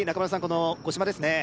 この五島ですね